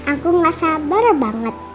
aku gak sabar banget